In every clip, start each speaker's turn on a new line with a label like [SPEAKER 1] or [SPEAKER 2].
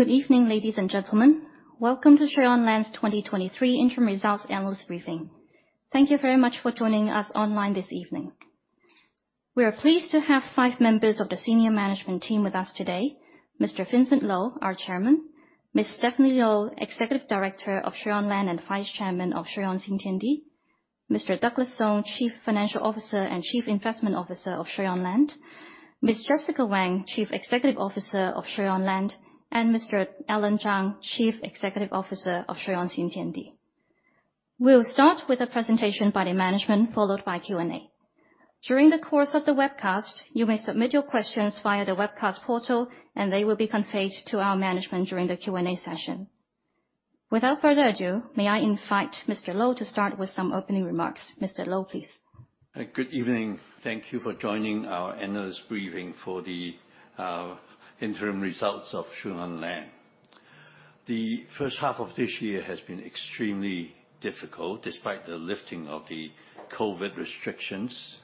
[SPEAKER 1] Good evening, ladies and gentlemen. Welcome to Shui On Land's 2023 Interim Results Analyst Briefing. Thank you very much for joining us online this evening. We are pleased to have five members of the senior management team with us today: Mr. Vincent Lo, our Chairman, Ms. Stephanie Lo, Executive Director of Shui On Land and Vice Chairman of Shui On Xintiandi, Mr. Douglas Sung, Chief Financial Officer and Chief Investment Officer of Shui On Land, Ms. Jessica Wang, Chief Executive Officer of Shui On Land, and Mr. Allan Zhang, Chief Executive Officer of Shui On Xintiandi. We'll start with a presentation by the management, followed by Q&A. During the course of the webcast, you may submit your questions via the webcast portal, and they will be conveyed to our management during the Q&A session. Without further ado, may I invite Mr. Lo to start with some opening remarks. Mr. Lo, please.
[SPEAKER 2] Good evening. Thank you for joining our analyst briefing for the interim results of Shui On Land. The first half of this year has been extremely difficult, despite the lifting of the COVID restrictions,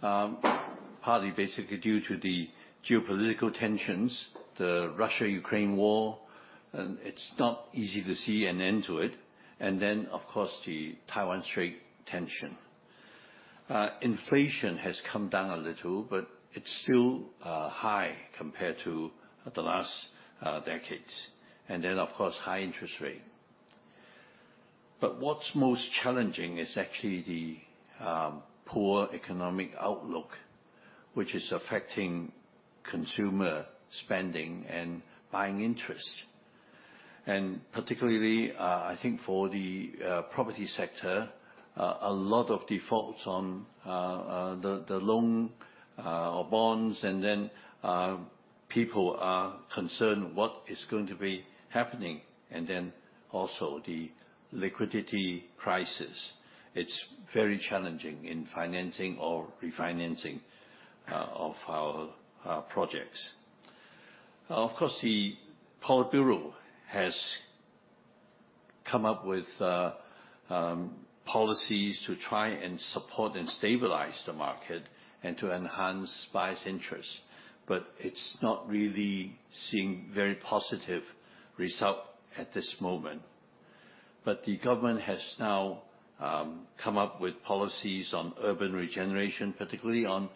[SPEAKER 2] partly basically due to the geopolitical tensions, the Russo-Ukrainian War, and it's not easy to see an end to it, and then, of course, the Taiwan Strait tension. Inflation has come down a little, but it's still high compared to the last decades, and then, of course, high interest rate. What's most challenging is actually the poor economic outlook, which is affecting consumer spending and buying interest. Particularly, I think for the property sector, a lot of defaults on the loan or bonds, and then people are concerned what is going to be happening, and then also the liquidity crisis. It's very challenging in financing or refinancing of our projects. Of course, the Politburo has come up with policies to try and support and stabilize the market and to enhance buyers' interest, but it's not really seeing very positive result at this moment. The government has now come up with policies on urban regeneration, particularly on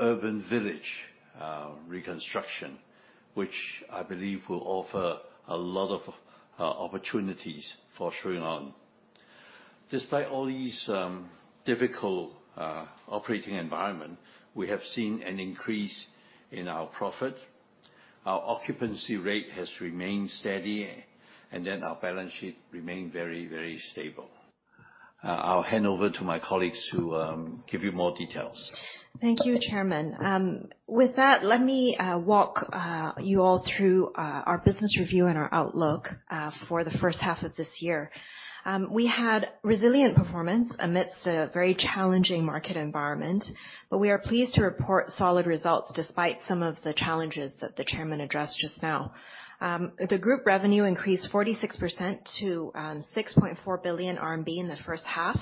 [SPEAKER 2] urban village reconstruction, which I believe will offer a lot of opportunities for Shui On. Despite all these difficult operating environment, we have seen an increase in our profit. Our occupancy rate has remained steady, and then our balance sheet remained very, very stable. I'll hand over to my colleagues to give you more details.
[SPEAKER 3] Thank you, Chairman. With that, let me walk you all through our business review and our outlook for the first half of this year. We had resilient performance amidst a very challenging market environment. We are pleased to report solid results despite some of the challenges that the chairman addressed just now. The group revenue increased 46% to 6.4 billion RMB in the first half,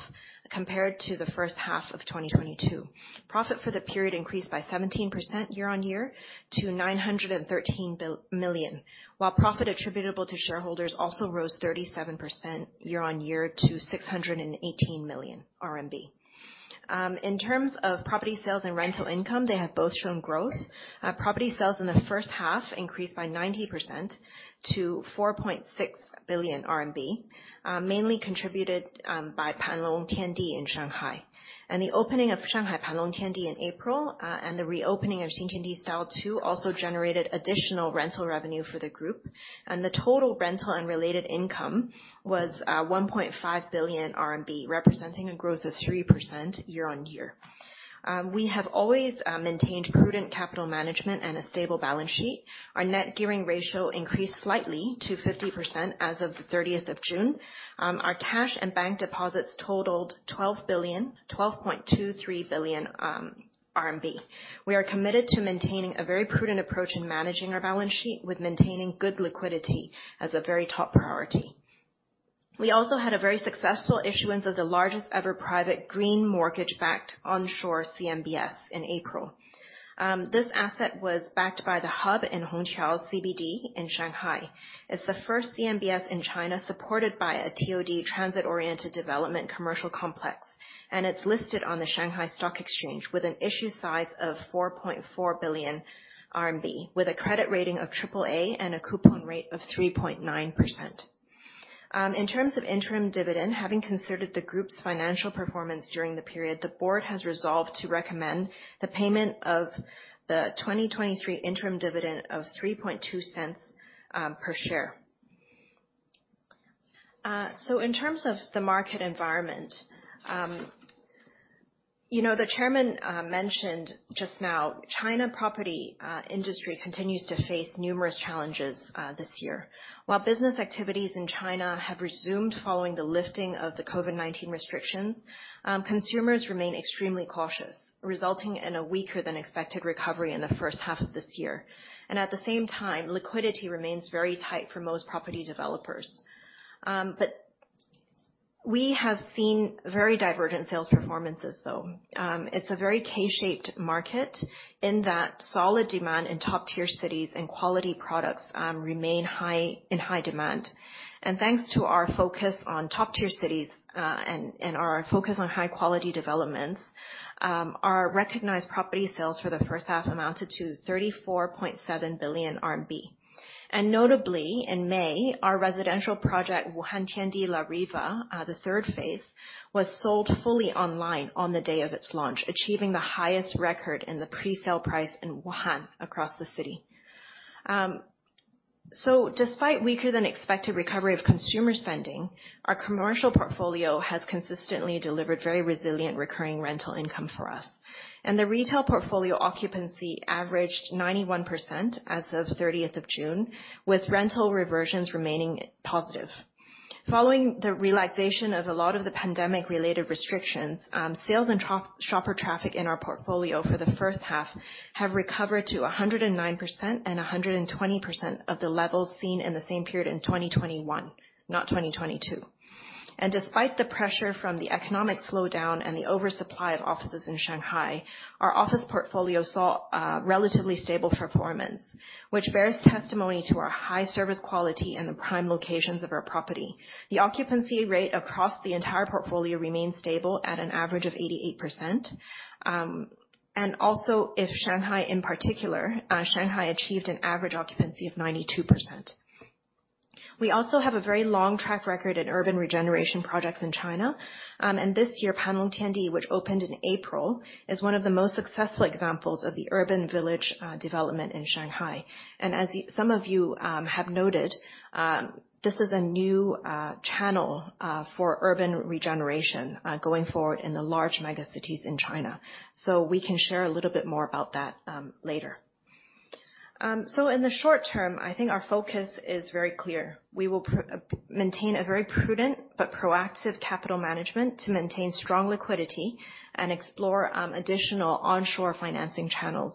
[SPEAKER 3] compared to the first half of 2022. Profit for the period increased by 17% year-on-year to 913 million, while profit attributable to shareholders also rose 37% year-on-year to 618 million RMB. In terms of property sales and rental income, they have both shown growth. Property sales in the first half increased by 90% to 4.6 billion RMB, mainly contributed by Panlong Tiandi in Shanghai. The opening of Shanghai Panlong Tiandi in April, and the reopening of Xintiandi Style II, also generated additional rental revenue for the group. The total rental and related income was 1.5 billion RMB, representing a growth of 3% year-on-year. We have always maintained prudent capital management and a stable balance sheet. Our net gearing ratio increased slightly to 50% as of the 30th of June. Our cash and bank deposits totaled 12.23 billion RMB. We are committed to maintaining a very prudent approach in managing our balance sheet, with maintaining good liquidity as a very top priority. We also had a very successful issuance of the largest-ever private green mortgage-backed onshore CMBS in April. This asset was backed by The Hub in Hongqiao CBD in Shanghai. It's the first CMBS in China, supported by a TOD, Transit-Oriented Development commercial complex, and it's listed on the Shanghai Stock Exchange with an issue size of 4.4 billion RMB, with a credit rating of AAA and a coupon rate of 3.9%. In terms of interim dividend, having considered the group's financial performance during the period, the board has resolved to recommend the payment of the 2023 interim dividend of 0.032 per share. In terms of the market environment, you know, the chairman mentioned just now, China property industry continues to face numerous challenges this year. While business activities in China have resumed following the lifting of the COVID-19 restrictions, consumers remain extremely cautious, resulting in a weaker than expected recovery in the first half of this year. At the same time, liquidity remains very tight for most property developers. We have seen very divergent sales performances, though. It's a very K-shaped market in that solid demand in top-tier cities and quality products, remain high, in high demand. Thanks to our focus on top-tier cities, and our focus on high quality developments, our recognized property sales for the first half amounted to 34.7 billion RMB. Notably, in May, our residential project, Wuhan Tiandi La Riva, the third phase, was sold fully online on the day of its launch, achieving the highest record in the presale price in Wuhan across the city. Despite weaker than expected recovery of consumer spending, our commercial portfolio has consistently delivered very resilient recurring rental income for us. The retail portfolio occupancy averaged 91% as of 30th of June, with rental reversions remaining positive. Following the relaxation of a lot of the pandemic-related restrictions, sales and shopper traffic in our portfolio for the first half, have recovered to 109% and 120% of the levels seen in the same period in 2021, not 2022. Despite the pressure from the economic slowdown and the oversupply of offices in Shanghai, our office portfolio saw relatively stable performance, which bears testimony to our high service quality and the prime locations of our property. The occupancy rate across the entire portfolio remains stable at an average of 88%. Also, if Shanghai in particular, Shanghai achieved an average occupancy of 92%. We also have a very long track record in urban regeneration projects in China. This year, Panlong Tiandi, which opened in April, is one of the most successful examples of the urban village development in Shanghai. As some of you have noted, this is a new channel for urban regeneration going forward in the large mega cities in China. We can share a little bit more about that later. In the short term, I think our focus is very clear. We will maintain a very prudent but proactive capital management to maintain strong liquidity and explore additional onshore financing channels.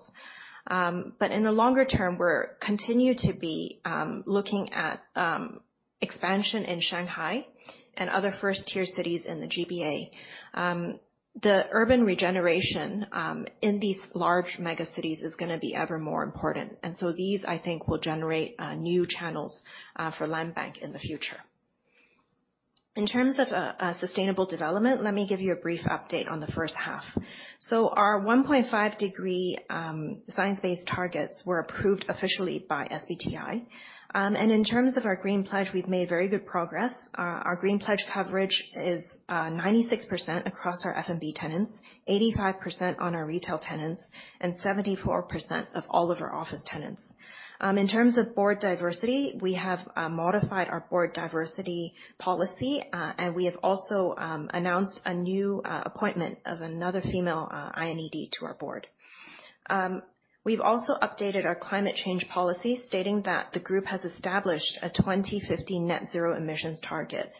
[SPEAKER 3] In the longer term, we're continue to be looking at expansion in Shanghai and other first-tier cities in the GBA. The urban regeneration in these large mega cities is gonna be ever more important, and so these, I think, will generate new channels for Landbank in the future. In terms of sustainable development, let me give you a brief update on the first half. Our 1.5 degree science-based targets were approved officially by SBTi. In terms of our green pledge, we've made very good progress. Our green pledge coverage is 96% across our F&B tenants, 85% on our retail tenants, and 74% of all of our office tenants. In terms of board diversity, we have modified our board diversity policy, and we have also announced a new appointment of another female INED to our board. We've also updated our climate change policy, stating that the group has established a 2050 net zero emissions target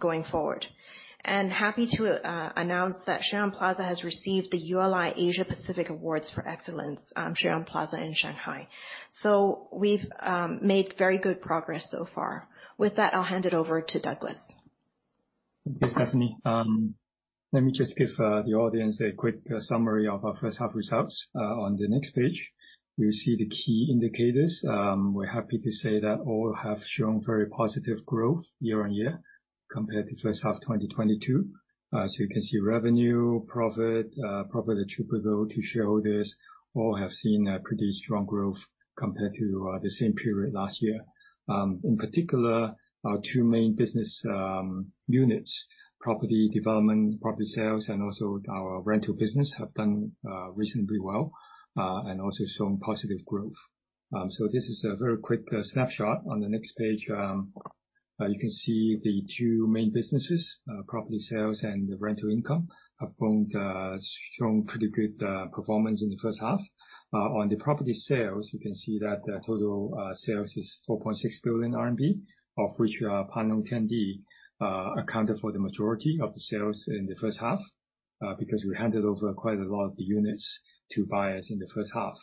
[SPEAKER 3] going forward. Happy to announce that Xintiandi Plaza has received the ULI Asia Pacific Awards for Excellence, Xintiandi Plaza in Shanghai. We've made very good progress so far. With that, I'll hand it over to Douglas.
[SPEAKER 4] Thanks, Stephanie. Let me just give the audience a quick summary of our first half results. On the next page, we see the key indicators. We're happy to say that all have shown very positive growth year-on-year compared to first half 2022. You can see revenue, profit, profit attributable to shareholders, all have seen a pretty strong growth compared to the same period last year. In particular, our two main business units, property development, property sales, and also our rental business, have done reasonably well and also shown positive growth. This is a very quick snapshot. On the next page, you can see the two main businesses, property sales and the rental income, have found strong, pretty good performance in the first half. On the property sales, you can see that the total sales is 4.6 billion RMB, of which Panlong Tiandi accounted for the majority of the sales in the first half, because we handed over quite a lot of the units to buyers in the first half.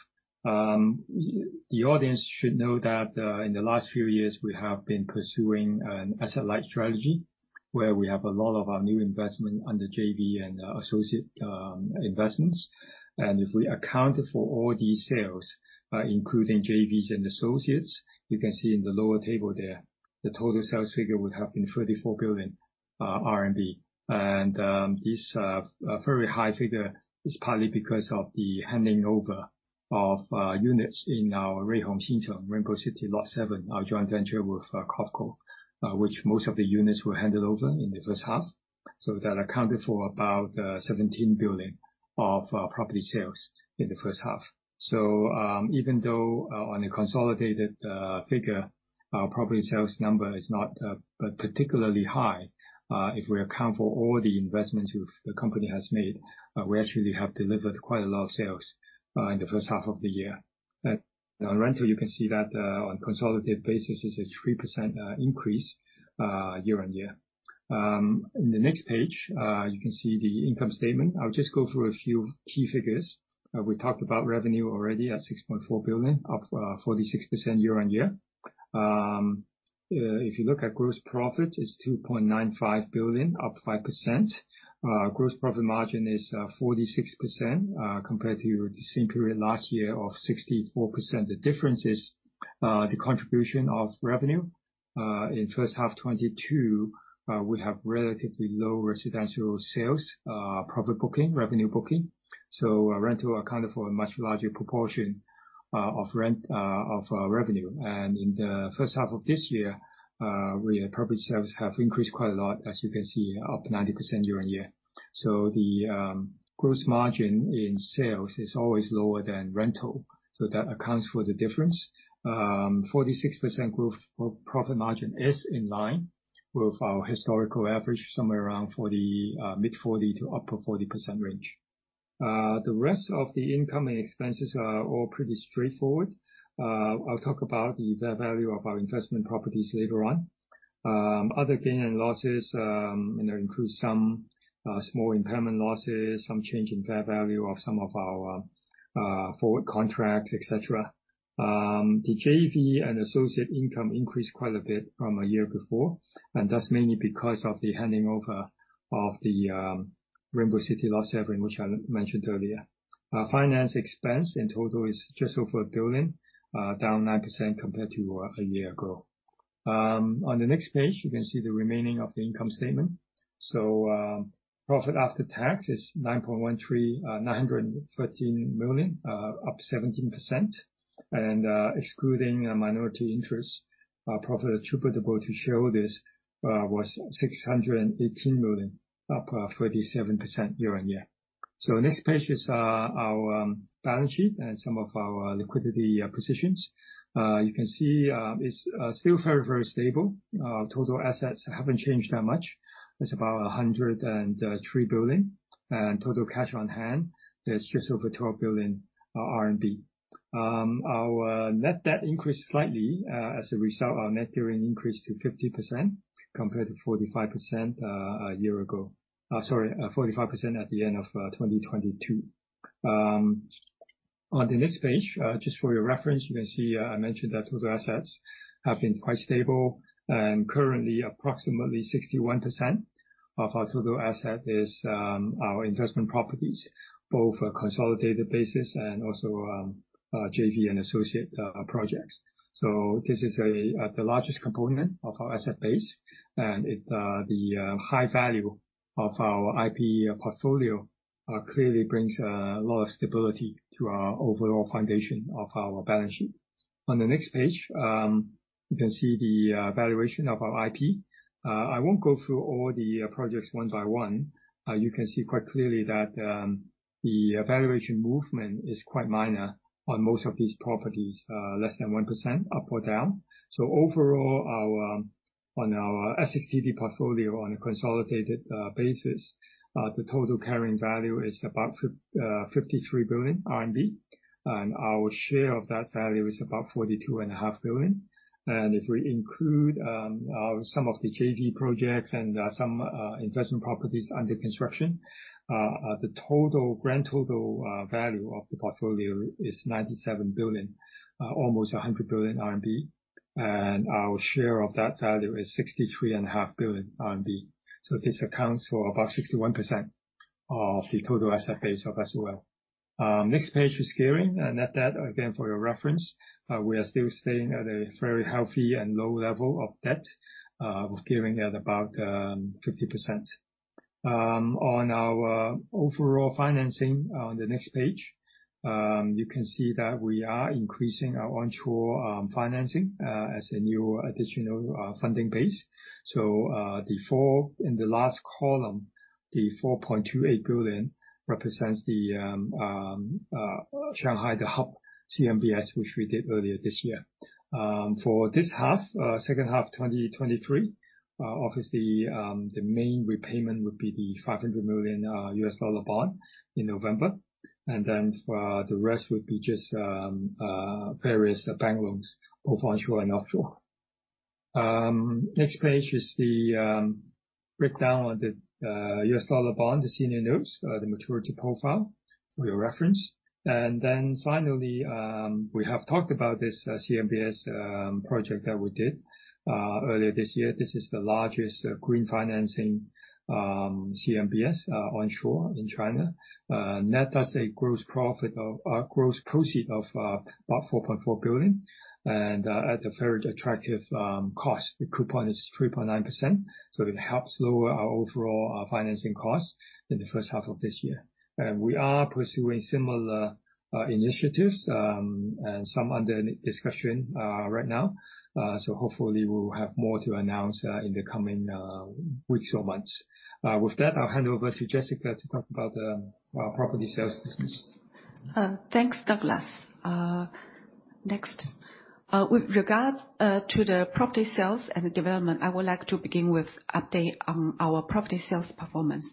[SPEAKER 4] The audience should know that in the last few years, we have been pursuing an asset-light strategy, where we have a lot of our new investment under JV and associate investments. If we account for all these sales, including JVs and associates, you can see in the lower table there, the total sales figure would have been 34 billion RMB. This very high figure is partly because of the handing over of units in our Ruihong Xincheng, Rainbow City Lot seven, our joint venture with Costco, which most of the units were handed over in the first half. That accounted for about 17 billion of property sales in the first half. Even though on a consolidated figure, our property sales number is not particularly high, if we account for all the investments which the company has made, we actually have delivered quite a lot of sales in the first half of the year. On rental, you can see that on a consolidated basis, is a 3% increase year-over-year. In the next page, you can see the income statement. I'll just go through a few key figures. We talked about revenue already at 6.4 billion, up 46% year-on-year. If you look at gross profit, it's 2.95 billion, up 5%. Gross profit margin is 46%, compared to the same period last year of 64%. The difference is the contribution of revenue. In first half 2022, we have relatively low residential sales, profit booking, revenue booking. Rental accounted for a much larger proportion of rent, of revenue. In the first half of this year, we-- our property sales have increased quite a lot, as you can see, up 90% year-on-year. The gross margin in sales is always lower than rental, so that accounts for the difference. 46% growth for profit margin is in line with our historical average, somewhere around 40, mid-40 to upper 40% range. The rest of the income and expenses are all pretty straightforward. I'll talk about the fair value of our investment properties later on. Other gain and losses, you know, include some small impairment losses, some change in fair value of some of our forward contracts, et cetera. The JV and associate income increased quite a bit from a year before, and that's mainly because of the handing over of the Rainbow City, Lot 7, which I mentioned earlier. Our finance expense in total is just over 1 billion, down 9% compared to a year ago. On the next page, you can see the remaining of the income statement. Profit after tax is 913 million, up 17%. Excluding minority interest, profit attributable to shareholders was 618 million, up 37% year-on-year. The next page is our balance sheet and some of our liquidity positions. You can see it's still very, very stable. Total assets haven't changed that much. It's about 103 billion, and total cash on hand is just over 12 billion RMB. Our net debt increased slightly, as a result, our net gearing increased to 50%, compared to 45% a year ago. Sorry, 45% at the end of 2022. On the next page, just for your reference, you can see, I mentioned that total assets have been quite stable, and currently, approximately 61% of our total asset is our investment properties, both for consolidated basis and also JV and associate projects. This is a the largest component of our asset base, and it the high value of our IP portfolio clearly brings a lot of stability to our overall foundation of our balance sheet. On the next page, you can see the valuation of our IP. I won't go through all the projects one by one. You can see quite clearly that the valuation movement is quite minor on most of these properties, less than 1% up or down. Overall, our on our SXTD portfolio, on a consolidated basis, the total carrying value is about 53 billion RMB, and our share of that value is about 42.5 billion. If we include some of the JV projects and some investment properties under construction, the total, grand total, value of the portfolio is 97 billion, almost 100 billion RMB, and our share of that value is 63.5 billion RMB. This accounts for about 61% of the total asset base of SOL. Next page is gearing, and net debt, again, for your reference. We are still staying at a very healthy and low level of debt, with gearing at about 50%. On our overall financing, on the next page, you can see that we are increasing our onshore financing as a new additional funding base. The four in the last column, the 4.28 billion, represents the Shanghai, The Hub CMBS, which we did earlier this year. For this half, second half of 2023, obviously, the main repayment would be the $500 million US dollar bond in November, and then the rest would be just various bank loans, both onshore and offshore. Next page is the breakdown on the US dollar bond, the senior notes, the maturity profile for your reference. Finally, we have talked about this CMBS project that we did earlier this year. This is the largest green financing CMBS onshore in China. Net as a gross profit of gross proceed of about 4.4 billion, and at a very attractive cost. The coupon is 3.9%, so it helps lower our overall financing costs in the first half of this year. We are pursuing similar initiatives, and some are under discussion right now. So hopefully, we'll have more to announce in the coming weeks or months. With that, I'll hand over to Jessica to talk about the property sales business.
[SPEAKER 5] Thanks, Douglas. Next. With regards to the property sales and the development, I would like to begin with update on our property sales performance.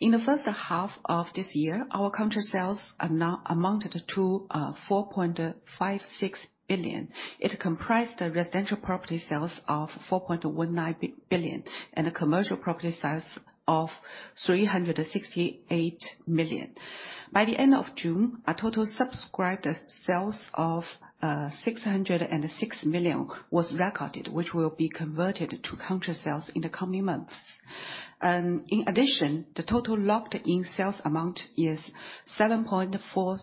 [SPEAKER 5] In the first half of this year, our country sales are now amounted to 4.56 billion. It comprised residential property sales of 4.19 billion, and a commercial property sales of 368 million. By the end of June, our total subscriber sales of 606 million was recorded, which will be converted to contract sales in the coming months. In addition, the total locked-in sales amount is 7.43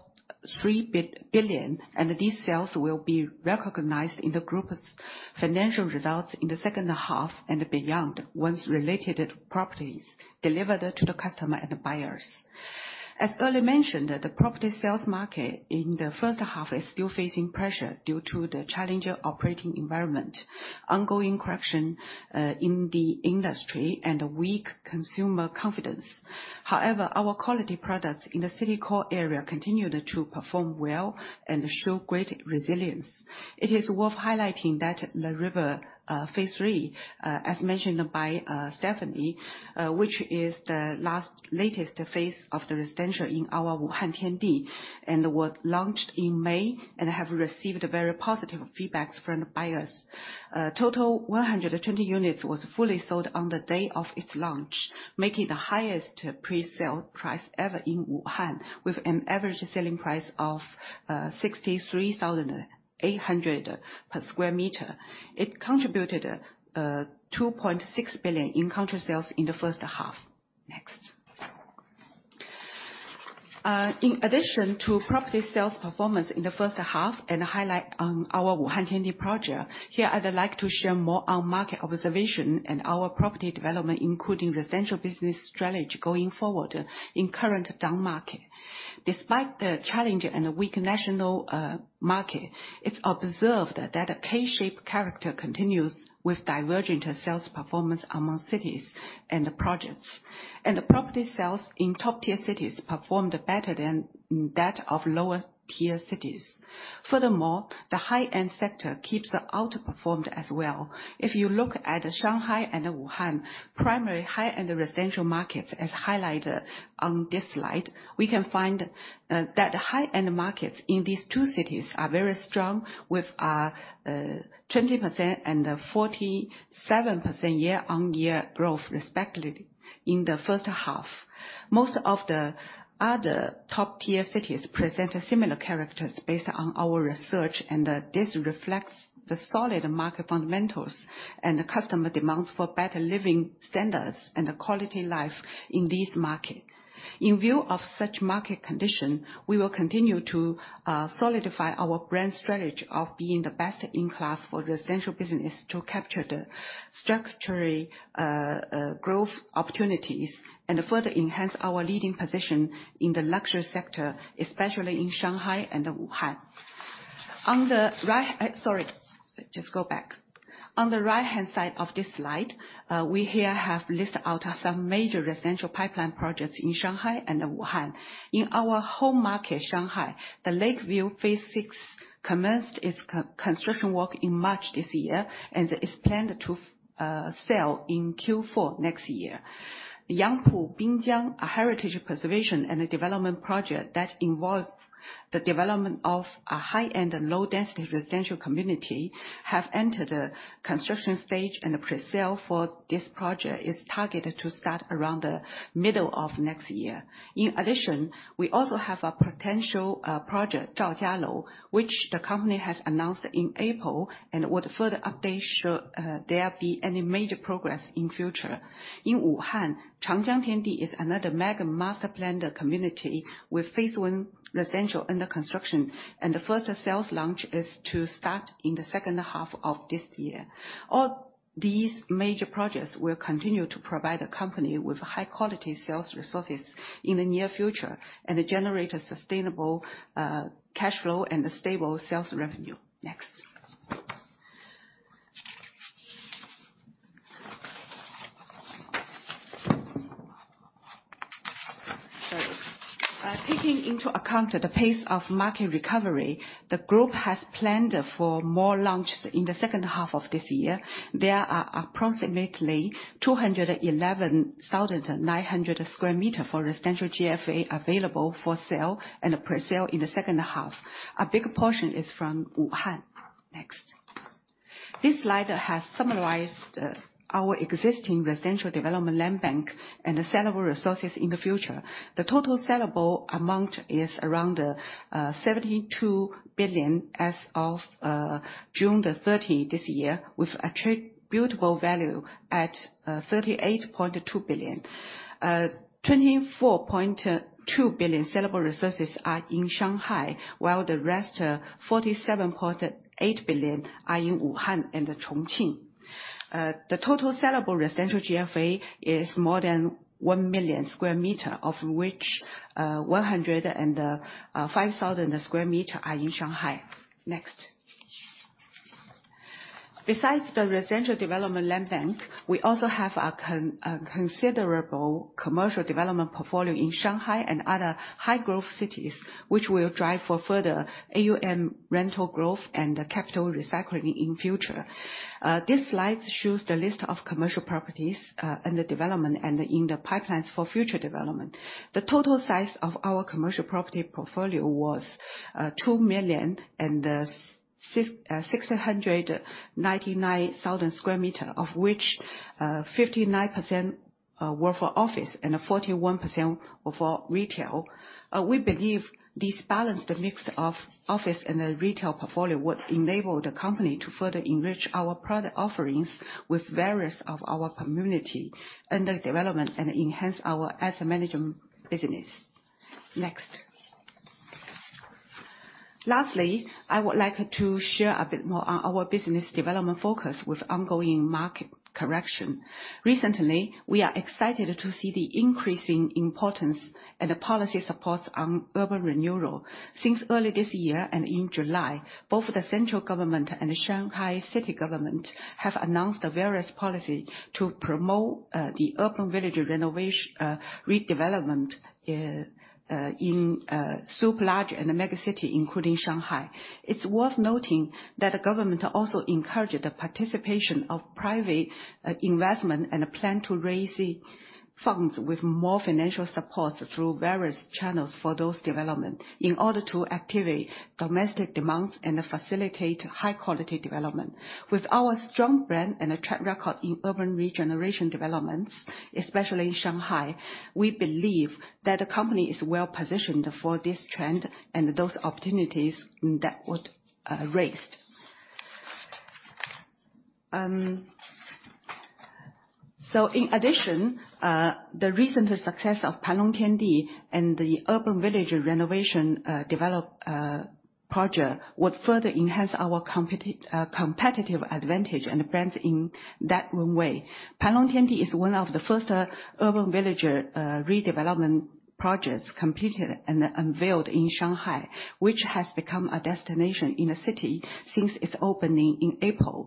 [SPEAKER 5] billion, and these sales will be recognized in the group's financial results in the second half and beyond, once related properties delivered to the customer and the buyers. As earlier mentioned, the property sales market in the first half is still facing pressure due to the challenging operating environment, ongoing correction in the industry, and a weak consumer confidence. However, our quality products in the city core area continued to perform well and show great resilience. It is worth highlighting that La Riva III, as mentioned by Stephanie, which is the last latest phase of the residential in our Wuhan Tiandi, and was launched in May, and have received very positive feedback from the buyers. Total 120 units was fully sold on the day of its launch, making the highest presale price ever in Wuhan, with an average selling price of 63,800 per square meter. It contributed 2.6 billion in contract sales in the first half. Next. In addition to property sales performance in the first half and highlight on our Wuhan Tiandi project, here, I'd like to share more on market observation and our property development, including residential business strategy going forward in current down market. Despite the challenge and a weak national market, it's observed that a K-shaped character continues with diverging to sales performance among cities and the projects. The property sales in top-tier cities performed better than that of lower-tier cities. Furthermore, the high-end sector keeps the outperformed as well. If you look at Shanghai and Wuhan, primary high-end residential markets, as highlighted on this slide, we can find that high-end markets in these two cities are very strong, with 20% and 47% year-on-year growth, respectively, in the first half. Most of the other top-tier cities present a similar characters based on our research, and this reflects the solid market fundamentals and the customer demands for better living standards and a quality life in this market. In view of such market condition, we will continue to solidify our brand strategy of being the Best-in-Class for the essential business to capture the structural growth opportunities, and further enhance our leading position in the luxury sector, especially in Shanghai and Wuhan. On the right... Uh, sorry, just go back. On the right-hand side of this slide, we here have listed out some major residential pipeline projects in Shanghai and Wuhan. In our home market, Shanghai, the Lakeville VI commenced its construction work in March this year, and it is planned to sell in Q4 next year. Yangpu Binjiang, a heritage preservation and a development project that involves the development of a high-end and low-density residential community, have entered the construction stage, and the pre-sale for this project is targeted to start around the middle of next year. In addition, we also have a potential project, Zhaojialou, which the company has announced in April, and would further update should there be any major progress in future. In Wuhan, Changjiang Tiandi is another mega master planned community, with phase one residential under construction, and the first sales launch is to start in the second half of this year. All these major projects will continue to provide the company with high-quality sales resources in the near future, and generate a sustainable cash flow and a stable sales revenue. Next. Taking into account the pace of market recovery, the group has planned for more launches in the second half of this year. There are approximately 211,900 square meter for residential GFA available for sale and pre-sale in the second half. A big portion is from Wuhan. Next. This slide has summarized our existing residential development land bank and the sellable resources in the future. The total sellable amount is around 72 billion as of June 30th this year, with attributable value at 38.2 billion. 24.2 billion sellable resources are in Shanghai, while the rest 47.8 billion are in Wuhan and Chongqing. The total sellable residential GFA is more than one million square meter, of which 105,000 square meter are in Shanghai. Next. Besides the residential development land bank, we also have a considerable commercial development portfolio in Shanghai and other high-growth cities, which will drive for further AUM rental growth and capital recycling in future. This slide shows the list of commercial properties under development and in the pipelines for future development. The total size of our commercial property portfolio was 2,699,000 square meters, of which 59% were for office and 41% were for retail. We believe this balanced mix of office and the retail portfolio would enable the company to further enrich our product offerings with various of our community and the development, and enhance our asset management business. Next. Lastly, I would like to share a bit more on our business development focus with ongoing market correction. Recently, we are excited to see the increasing importance and the policy supports on urban renewal. Since early this year and in July, both the central government and the Shanghai City government have announced various policy to promote, the urban village renovation, redevelopment, in super large and mega city, including Shanghai. It's worth noting that the government also encouraged the participation of private investment, and plan to raise funds with more financial support through various channels for those development, in order to activate domestic demands and facilitate high-quality development. With our strong brand and a track record in urban regeneration developments, especially in Shanghai, we believe that the company is well-positioned for this trend and those opportunities that would, raised. In addition, the recent success of Panlong Tiandi and the urban village renovation, develop, project, would further enhance our competitive advantage and brands in that one way. Panlong Tiandi is one of the first, urban village, redevelopment projects completed and unveiled in Shanghai, which has become a destination in the city since its opening in April.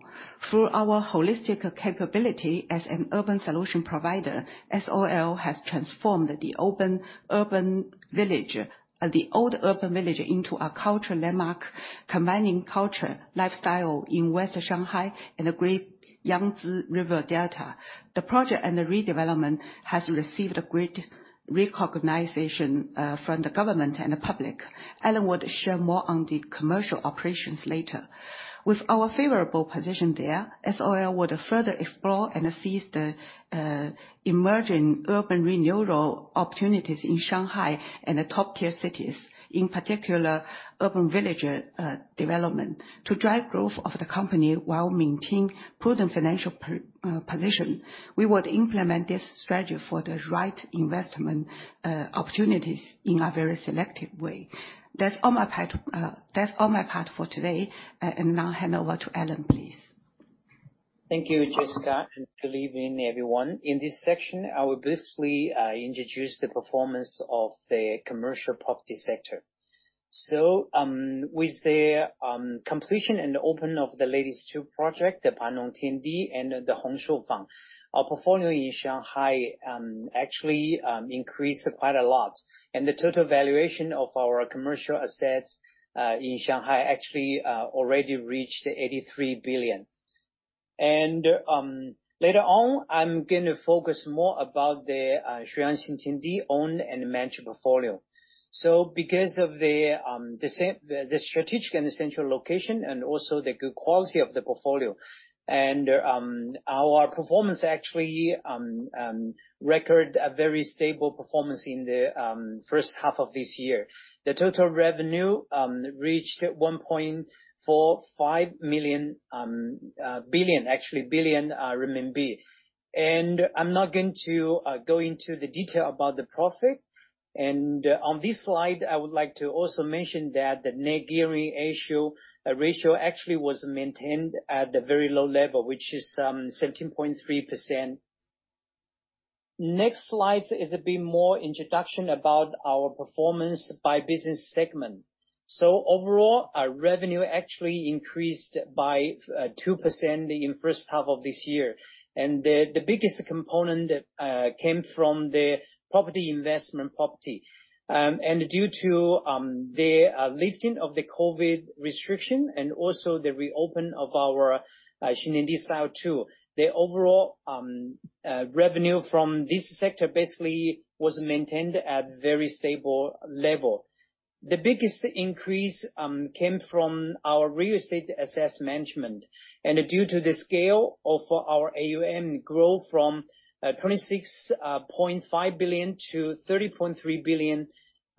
[SPEAKER 5] Through our holistic capability as an urban solution provider, SOL has transformed the open urban village, the old urban village into a cultural landmark, combining culture, lifestyle in West Shanghai and the Great Yangtze River Delta. The project and the redevelopment has received great recognition from the government and the public. Allan would share more on the commercial operations later. With our favorable position there, SOL would further explore and seize the emerging urban renewal opportunities in Shanghai and the top-tier cities, in particular, urban village development. To drive growth of the company while maintaining prudent financial position, we would implement this strategy for the right investment opportunities in a very selective way. That's all my part, that's all my part for today, now hand over to Allan, please.
[SPEAKER 6] Thank you, Jessica, and good evening, everyone. In this section, I will briefly introduce the performance of the commercial property sector. With the completion and opening of the latest two project, the Panlong Tiandi and the Hong Shou Fang, our portfolio in Shanghai actually increased quite a lot, and the total valuation of our commercial assets in Shanghai actually already reached 83 billion. Later on, I'm gonna focus more about the Shui On Xintiandi owned and managed portfolio. Because of the strategic and the central location, and also the good quality of the portfolio, and our performance actually record a very stable performance in the first half of this year. The total revenue reached 1.45 billion. I'm not going to go into the detail about the profit. On this slide, I would like to also mention that the net gearing ratio ratio actually was maintained at a very low level, which is 17.3%. Next slide is a bit more introduction about our performance by business segment. Overall, our revenue actually increased by 2% in first half of this year. The biggest component came from the property investment property. Due to the lifting of the COVID restriction and also the reopen of our Xintiandi Style II, the overall revenue from this sector basically was maintained at very stable level. The biggest increase came from our real estate asset management. Due to the scale of our AUM growth from 26.5 billion to 30.3 billion,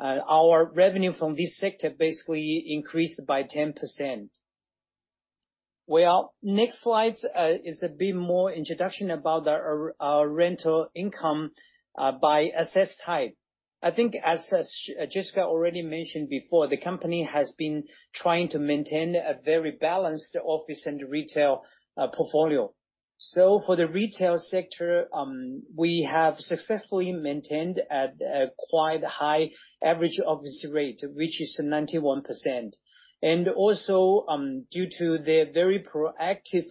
[SPEAKER 6] our revenue from this sector basically increased by 10%. Well, next slide is a bit more introduction about our, our rental income by asset type. I think as, as Jessica already mentioned before, the company has been trying to maintain a very balanced office and retail portfolio. For the retail sector, we have successfully maintained at a quite high average occupancy rate, which is 91%. Also, due to the very proactive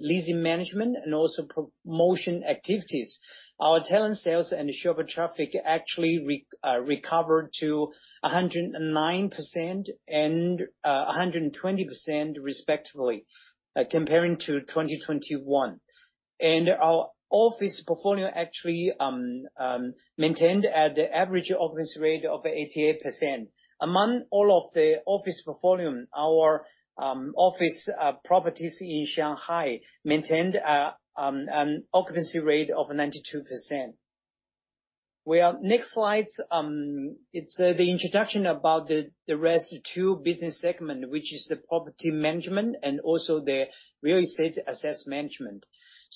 [SPEAKER 6] leasing management and also promotion activities, our talent, sales and shopper traffic actually recovered to 109% and 120% respectively, comparing to 2021. Our office portfolio actually... maintained at the average office rate of 88%. Among all of the office portfolio, our office properties in Shanghai maintained an occupancy rate of 92%. Well, next slide, it's the introduction about the rest two business segment, which is the property management and also the real estate asset management.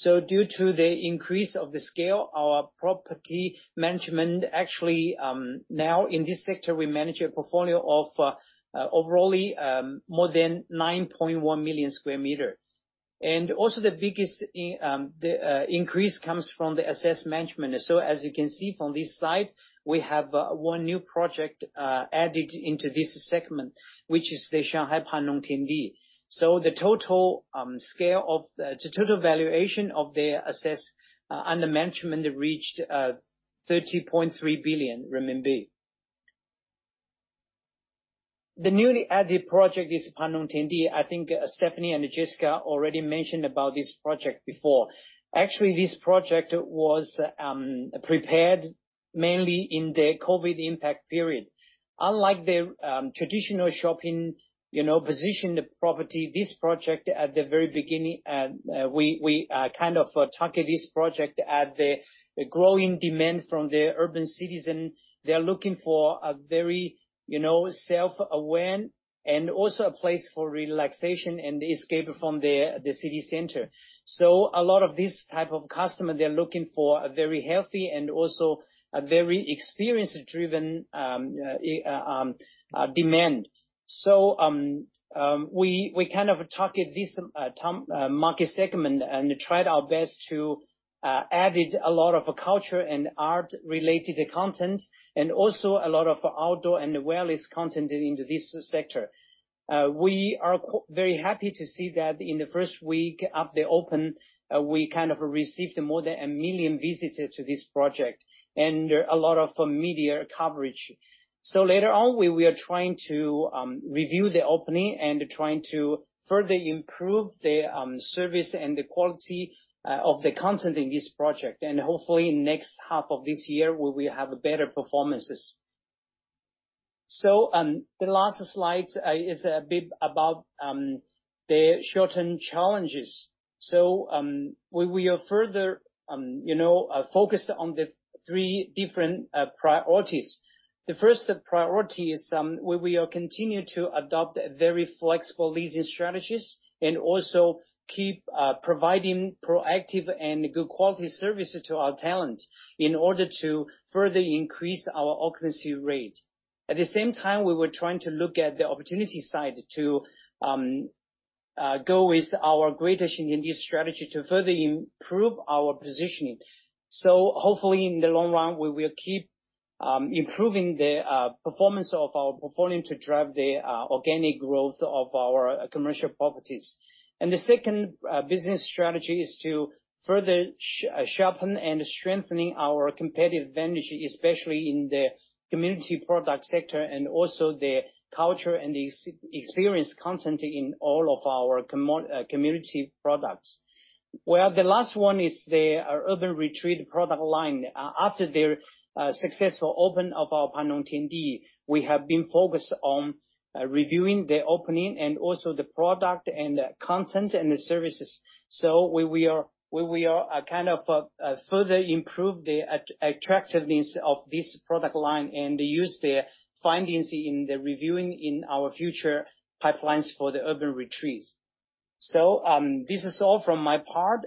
[SPEAKER 6] Due to the increase of the scale, our property management, actually, now in this sector, we manage a portfolio of overall more than 9.1 million square meter. The biggest increase comes from the asset management. As you can see from this slide, we have one new project added into this segment, which is the Shanghai Panlong Tiandi. The total scale of the total valuation of the assets under management reached RMB 30.3 billion. The newly added project is Panlong Tiandi. I think Stephanie and Jessica already mentioned about this project before. Actually, this project was prepared mainly in the COVID impact period. Unlike the traditional shopping, you know, position the property, this project at the very beginning, we kind of target this project at the growing demand from the urban citizen. They're looking for a very, you know, self-aware and also a place for relaxation and escape from the city center. A lot of these type of customer, they're looking for a very healthy and also a very experience-driven demand. We, we kind of target this market segment and tried our best to added a lot of culture and art-related content, and also a lot of outdoor and wellness content into this sector. We are very happy to see that in the first week of the open, we kind of received more than one million visitors to this project, and a lot of media coverage. Later on, we, we are trying to review the opening and trying to further improve the service and the quality of the content in this project. Hopefully, next half of this year, we will have better performances. The last slide is a bit about the short-term challenges. We, we are further, you know, focused on the three different priorities. The first priority is, we will continue to adopt a very flexible leasing strategies, and also keep, providing proactive and good quality services to our tenant, in order to further increase our occupancy rate. At the same time, we were trying to look at the opportunity side to, go with our Great Xintiandi strategy to further improve our positioning. Hopefully, in the long run, we will keep, improving the, performance of our portfolio to drive the, organic growth of our commercial properties. The second, business strategy is to further sharpen and strengthening our competitive advantage, especially in the community product sector, and also the culture and the experience content in all of our community products. Well, the last one is the Urban Retreat product line. After the successful open of our Panlong Tiandi, we have been focused on reviewing the opening and also the product and the content and the services. We are kind of further improve the attractiveness of this product line and use the findings in the reviewing in our future pipelines for the Urban Retreats. This is all from my part.